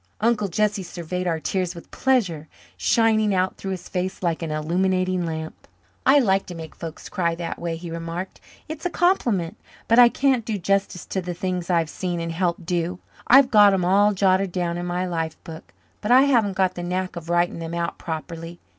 Uncle Jesse surveyed our tears with pleasure shining out through his face like an illuminating lamp. "I like to make folks cry that way," he remarked. "It's a compliment. But I can't do justice to the things I've seen and helped do. I've got 'em all jotted down in my life book but I haven't got the knack of writing them out properly.